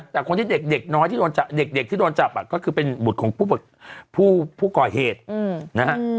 แต่คนที่เด็กน้อยที่โดนจับเด็กที่โดนจับก็คือเป็นบุตรของผู้ก่อเหตุนะฮะ